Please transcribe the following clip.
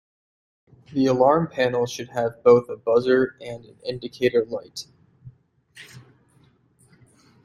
The alarm panel should have both a buzzer and an indicator light.